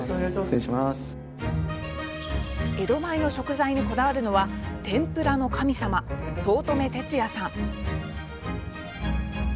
江戸前の食材にこだわるのは天ぷらの神様早乙女哲哉さん。